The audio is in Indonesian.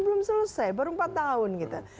belum selesai baru empat tahun gitu